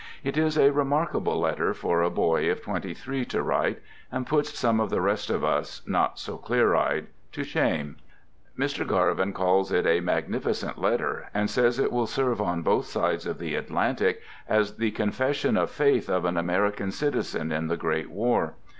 It is a remarkable letter for a boy of twenty three to write, and puts some of the rest of us, not so clear eyed, to shame. Mr. Garvin calls it a magnificent letter, and says it will serve on both sides of the Atlantic as the confession of faith of an American citizen in the great war.